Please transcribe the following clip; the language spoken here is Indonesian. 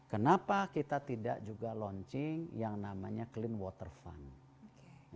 kenapa kita tidak juga launching yang namanya clean water fund